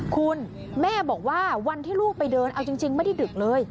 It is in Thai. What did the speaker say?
คุณแม่บอกว่าวันที่ลูกไปเดินเอาจริงไม่ได้ดึกเลย